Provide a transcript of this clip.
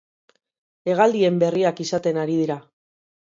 Hegaldien berriak izaten ari dira.